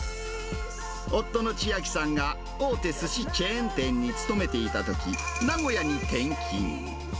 夫の千秋さんが大手すしチェーン店に勤めていたとき、名古屋に転勤。